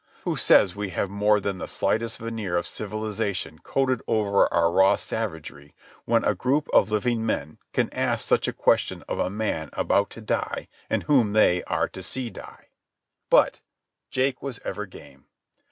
—Who says we have more than the slightest veneer of civilization coated over our raw savagery when a group of living men can ask such a question of a man about to die and whom they are to see die? But Jake was ever game.